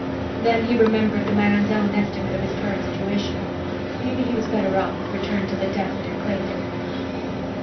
Then he remembered the man's own estimate of his current situation. Maybe he was better off returned to the death that had claimed him.